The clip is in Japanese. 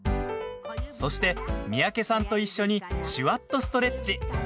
そして、三宅さんと一緒に「シュワッとストレッチ」。